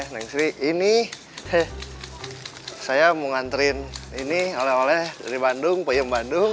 neng sri ini saya mau nganterin ini oleh oleh dari bandung peyem bandung